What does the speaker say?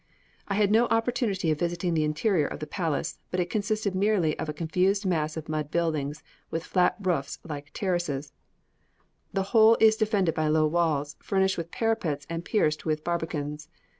I had no opportunity of visiting the interior of the palace, but it consists merely of a confused mass of mud buildings with flat roofs like terraces; the whole is defended by low walls, furnished with parapets and pierced with barbicans.